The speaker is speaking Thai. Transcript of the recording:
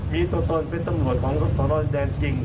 มีตัวตนเป็นตำรวจของสนแดนจริง